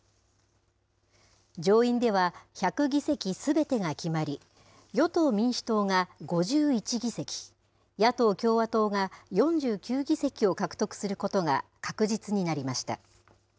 上院では、１００議席すべてが決まり、与党・民主党が５１議席、野党・共和党が４９議席を獲得することが確実になりました。